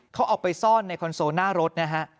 เขาออกไปซ่อนในคอนโซลหน้ารถ